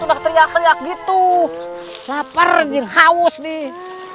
udah teriak teriak gitu lapar jadi haus nih